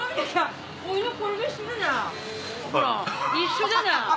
ほら一緒じゃない。